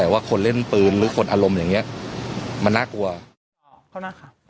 ว่าคนเล่นปืนหรือคนอารมณ์อย่างเงี้ยมันน่ากลัว